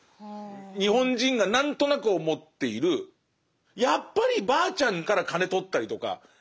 日本人が何となく思っているやっぱりばあちゃんから金とったりとかばあちゃん